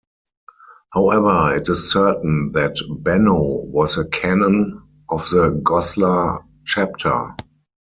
However it is certain that Benno was a canon of the Goslar chapter.